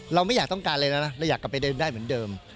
เราไม่อยากต้องการอะไรแล้วนะเราอยากกลับไปได้เหมือนเดิม